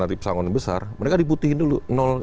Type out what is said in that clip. nanti pesangon besar mereka diputihin dulu